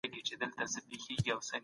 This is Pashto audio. وروسته بیا سرعت ته پام وکړئ.